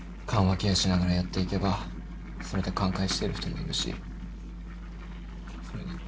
ケアしながらやっていけばそれで寛解してる人もいるしそれに。